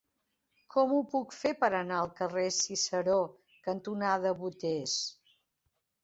Com ho puc fer per anar al carrer Ciceró cantonada Boters?